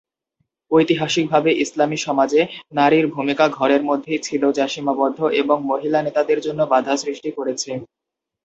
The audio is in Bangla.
ঐতিহাসিকভাবে ইসলামী সমাজে, নারীর ভূমিকা ঘরের মধ্যেই ছিল, যা সীমাবদ্ধ এবং মহিলা নেতাদের জন্য বাধা সৃষ্টি করেছে।